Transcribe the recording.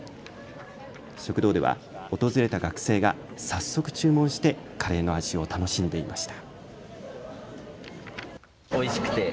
食堂では訪れた学生が早速注文してカレーの味を楽しんでいました。